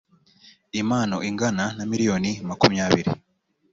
impano ingana na miliyoni makumyabiri.